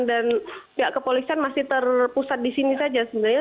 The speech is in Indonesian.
dan pihak kepolisian masih terpusat di sini saja sebenarnya